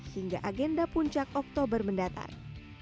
hingga agenda puncak oktober mendatang